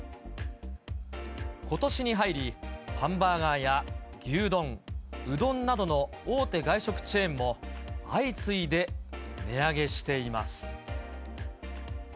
ことしに入り、ハンバーガーや牛丼、うどんなどの大手外食チェーンも相次いで値上げしています。